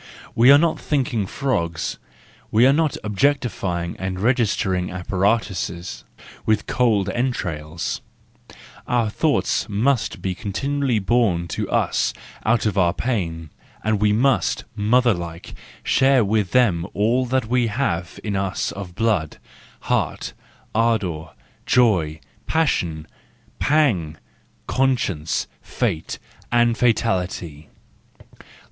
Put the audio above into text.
We are not thinking frogs, we are not objectifying and registering apparatuses with cold entrails,—our thoughts must be continu¬ ally born to us out of our pain, and we must, motherlike, share with them all that we have in us of blood, heart, ardour, joy, passion, pang, conscience, fate and fatality.